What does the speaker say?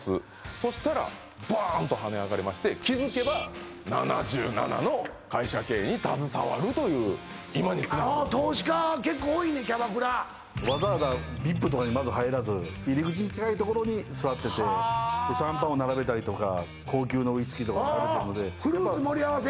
そしたらバーンと跳ね上がりまして気づけば今につながる投資家結構多いねんキャバクラわざわざＶＩＰとかにまず入らず入り口に近いところに座っててシャンパンを並べたりとか高級なウイスキーとか並べてるのでフルーツ盛り合わせ